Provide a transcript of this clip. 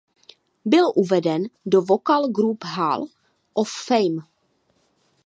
Byl uveden do Vocal Group Hall of Fame.